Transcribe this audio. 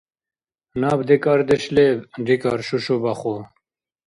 – Наб декӀардеш леб, – рикӀар Шушу-Баху.